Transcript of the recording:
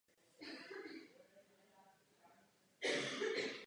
Tak nějak je to i s námi a přeshraničními službami.